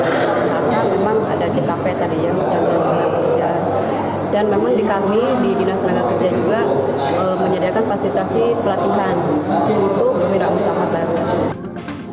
dan memang di kami di dinas tenaga kerja juga menyediakan fasilitasi pelatihan untuk pemirah usaha